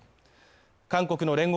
韓国の聯合